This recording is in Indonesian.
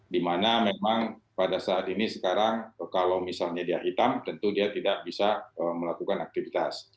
dimana memang pada saat ini sekarang kalau misalnya dia hitam tentu dia tidak bisa melakukan aktivitas